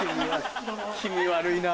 気味悪いな。